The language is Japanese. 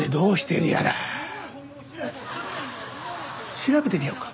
調べてみようか？